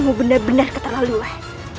kamu benar benar keterlaluan